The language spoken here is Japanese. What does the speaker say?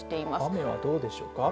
雨はどうでしょうか。